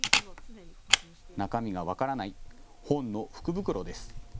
中身が分からない本の福袋です。